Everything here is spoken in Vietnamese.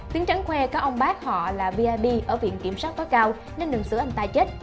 tiến trắng khoe có ông bác họ là vip ở viện kiểm soát tối cao nên đừng xử anh ta chết